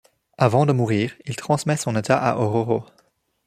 Avant de mourir il transmet son état à Ororo.